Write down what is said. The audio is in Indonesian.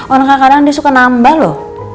orang kadang kadang dia suka nambah lho